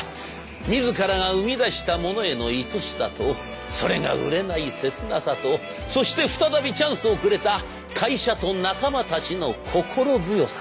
自らが生み出したものへのいとしさとそれが売れない切なさとそして再びチャンスをくれた会社と仲間たちの心強さと。